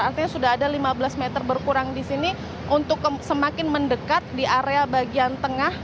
artinya sudah ada lima belas meter berkurang di sini untuk semakin mendekat di area bagian tengah